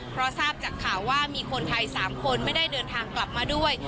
เพราะทราบจากข่าวว่ามีคนไทย๓คนไม่ได้เดินทางกลับมาด้วย